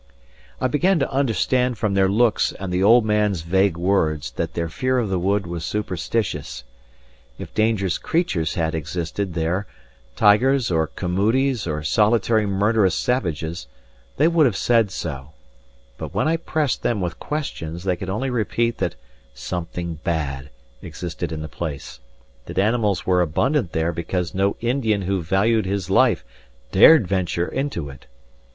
I began to understand from their looks and the old man's vague words that their fear of the wood was superstitious. If dangerous creatures had existed there tigers, or camoodis, or solitary murderous savages they would have said so; but when I pressed them with questions they could only repeat that "something bad" existed in the place, that animals were abundant there because no Indian who valued his life dared venture into it.